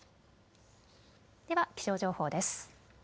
では気象情報です。